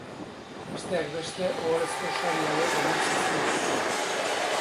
Besteak beste, ohorezko sari hauek eman zizkioten.